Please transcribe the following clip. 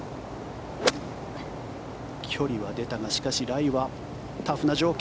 距離は出たがしかし、ライはタフな状況。